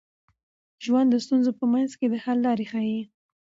ژوند د ستونزو په منځ کي د حل لارې ښيي.